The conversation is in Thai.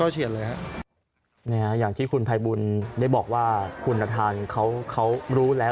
เฉียบเลยนะครับอย่างที่คุณนภัยบุญได้บอกว่าคุณนภารเขารู้แล้ว